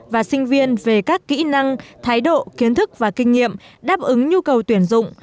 và sinh viên về các kỹ năng thái độ kiến thức và kinh nghiệm đáp ứng nhu cầu tuyển dụng